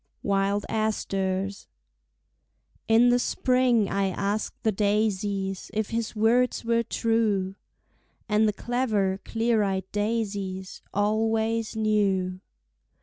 Wild Asters In the spring I asked the daisies If his words were true, And the clever, clear eyed daisies Always knew.